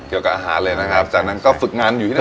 เกี่ยวกับอาหารเลยนะครับจากนั้นก็ฝึกงานอยู่ที่นั่น